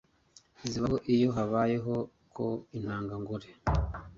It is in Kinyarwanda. zibaho iyo habayeho ko intangangore